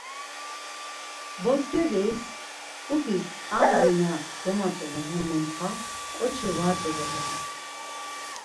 Botzǩediis, mtzǩupis ǩandzi na domatzonu hem muntxa ǩoçi vart̆u doreni?